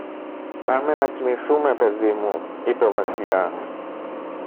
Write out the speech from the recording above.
Πάμε να κοιμηθούμε, παιδί μου, είπε ο Βασιλιάς.